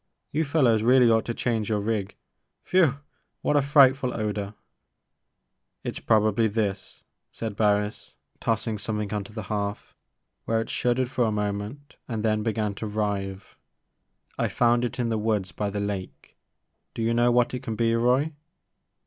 You fellows really ought to change your rig — whew ! what a frightful odor !" It 's probably this," said Barris tossing something onto the hearth where it shuddered for a moment and then began to writhe ;I found it in the woods by the lake. Do you know what it can be, Roy